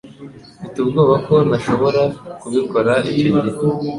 Mfite ubwoba ko ntashobora kubikora icyo gihe.